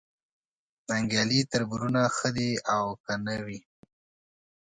ننګیالي تربرونه ښه دي او که نه وي